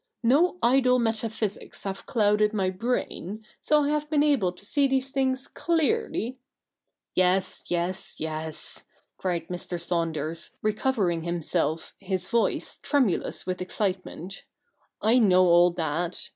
No idle metaphysics have clouded my brain, so I have been able to see these things clearly '' Yes, yes, yes,' cried Mr. Saunders, recovering himself his voice tremulous with excitement, ' I know all that.